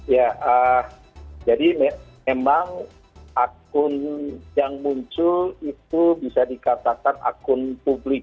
ya jadi memang akun yang muncul itu bisa dikatakan akun publik